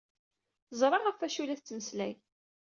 Teẓra ɣef wacu i la tettmeslay.